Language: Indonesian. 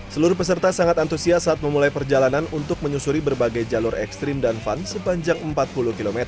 seluruh peserta sangat antusias saat memulai perjalanan untuk menyusuri berbagai jalur ekstrim dan fun sepanjang empat puluh km